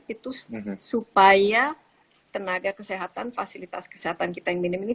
itu supaya tenaga kesehatan fasilitas kesehatan kita yang minim ini